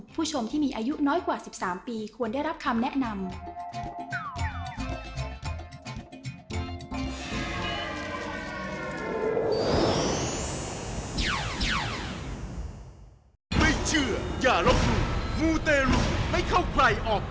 ผู้ชมที่มีอายุน้อยกว่า๑๓ปีควรได้รับคำแนะนำ